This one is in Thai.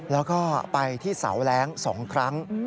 แล้วก็ไปที่เสาแร้ง๒ครั้ง